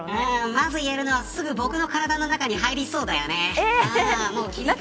まず言えるのはすぐ僕の体の中に入りそうだよね。